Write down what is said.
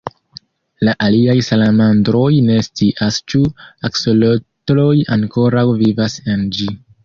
La aliaj salamandroj ne scias ĉu aksolotloj ankoraŭ vivas en ĝi.